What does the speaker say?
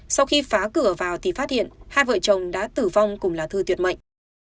sau khi phá cửa vào thì phát hiện hai vợ chồng đã tử vong cùng là thư tuyệt mạnh